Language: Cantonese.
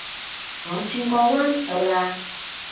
我轉個彎到啦